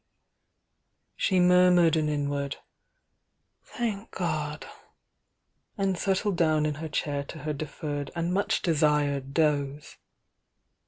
She murmured an inward "Thank God!" and set tled down in her chair to her deferred and much de sired doze.